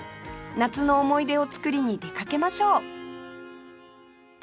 夏の思い出を作りに出かけましょう